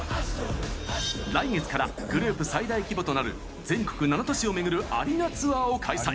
来月からグループ最大規模となる全国７都市を巡るアリーナツアーを開催。